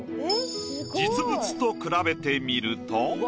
実物と比べてみると。